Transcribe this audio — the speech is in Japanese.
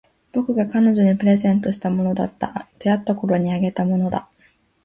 僕が彼女にプレゼントしたものだった。出会ったころにあげたものだ。